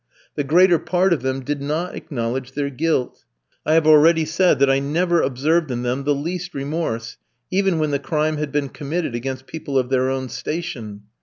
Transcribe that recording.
The greater part of them did not acknowledge their guilt. I have already said that I never observed in them the least remorse, even when the crime had been committed against people of their own station.